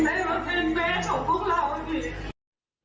แม่ก็เป็นแม่ของพวกเราอีก